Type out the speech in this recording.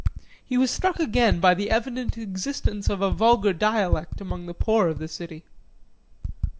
He was struck again by the evident existence of a vulgar dialect among the poor of the city.